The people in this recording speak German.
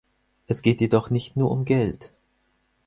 Es geht jedoch nicht nur um Geld.